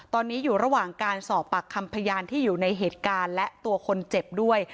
ตอนนี้อยู่ระหว่างการสอบปากคำพยานที่อยู่ในเหตุการณ์และตัวคนเจ็บด้วย